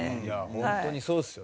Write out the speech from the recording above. ホントにそうっすよね。